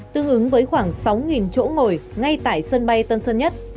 tương ứng với khoảng sáu chỗ ngồi ngay tại sân bay tân sơn nhất